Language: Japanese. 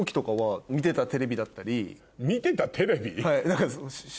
見てたテレビ？